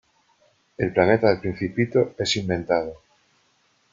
El planeta del Principito es inventado.